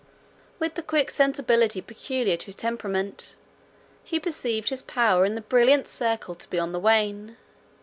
With the quick sensibility peculiar to his temperament, he perceived his power in the brilliant circle to be on the wane.